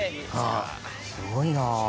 あぁすごいな。